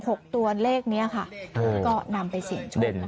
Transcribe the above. แหลง๖ตัวเลขนี้ค่ะก็นำไปเสียงโชคนะครับ